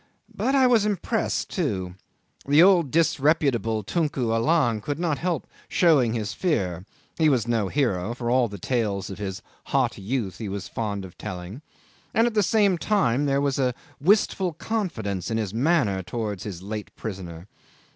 But I was impressed, too. The old disreputable Tunku Allang could not help showing his fear (he was no hero, for all the tales of his hot youth he was fond of telling); and at the same time there was a wistful confidence in his manner towards his late prisoner.